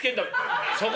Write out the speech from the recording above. そこ